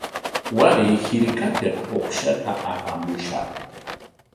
Waray hirpapik uqshata apamushaq.